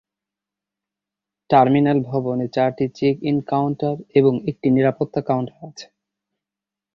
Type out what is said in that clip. Terminal ভবনে চারটি check in counter এবং একটি নিরাপত্তা কাউন্টার আছে।